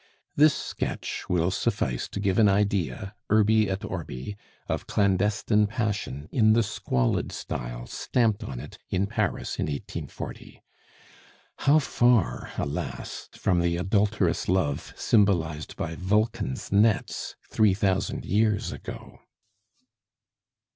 This sketch will suffice to give an idea, urbi et orbi, of clandestine passion in the squalid style stamped on it in Paris in 1840. How far, alas! from the adulterous love, symbolized by Vulcan's nets, three thousand years ago.